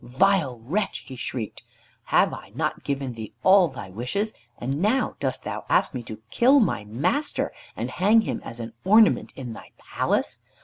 "Vile wretch!" he shrieked, "have I not given thee all thy wishes, and now dost thou ask me to kill my master, and hang him as an ornament in thy palace?